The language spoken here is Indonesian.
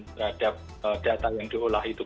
terhadap data yang diolah itu